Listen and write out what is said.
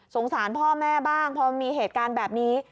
สารพ่อแม่บ้างพอมีเหตุการณ์แบบนี้